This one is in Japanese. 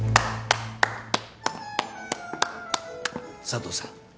佐都さん